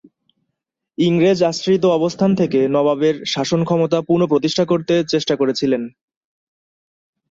ইংরেজ আশ্রিত অবস্থান থেকে নবাবের শাসনক্ষমতা পুনঃপ্রতিষ্ঠা করতে চেষ্টা করেছিলেন।